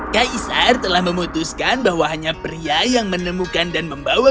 kaisar telah memutuskan bahwa hanya pria yang menemukan dan membawa dia ke istana